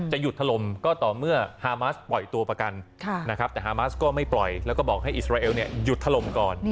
หยุดถล่มก็ต่อเมื่อฮามาสปล่อยตัวประกันนะครับแต่ฮามาสก็ไม่ปล่อยแล้วก็บอกให้อิสราเอลหยุดถล่มก่อน